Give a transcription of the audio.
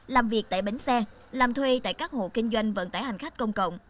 làm việc tại bến xe làm thuê tại các hộ kinh doanh vận tải hành khách công cộng